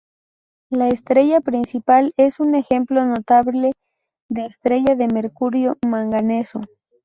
La estrella principal es un ejemplo notable de estrella de mercurio-manganeso.